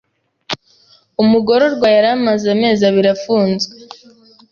Umugororwa yari amaze amezi abiri afunzwe.